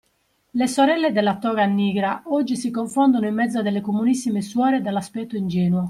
Le sorelle della Toga Nigra oggi si confondono in mezzo a delle comunissime suore dall'aspetto ingenuo.